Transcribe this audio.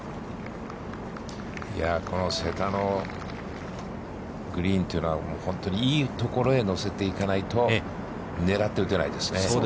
この瀬田のグリーンというのは、本当にいいところへ乗せていかないと、狙って打てないですね。